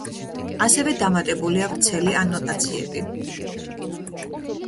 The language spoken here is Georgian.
ასევე დამატებულია ვრცელი ანოტაციები.